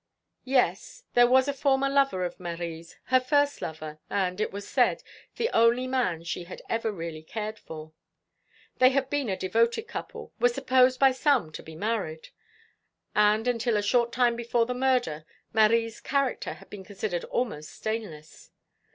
"Yes. There was a former lover of Marie's, her first lover; and, as it was said, the only man she had ever really cared for. They had been a devoted couple were supposed by some to be married and until a short time before the murder Marie's character had been considered almost stainless.